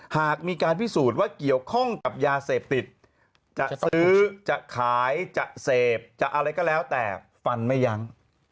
หากมีการพิสูจน์ว่าเกี่ยวข้องกับยาเสพติดจะซื้อจะขายจะเสพจะอะไรก็แล้วแต่ฟันไม่ยั้ง